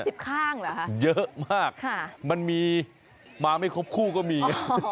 ในไทยเขาว่า๕๐ข้างเหรอคะเยอะมากมันมีมาไม่ครบคู่ก็มี